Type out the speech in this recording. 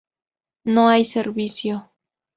No hay servicio